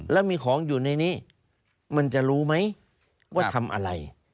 แล้วมีของอยู่ในนี้มันจะรู้ไหมว่าทำอะไร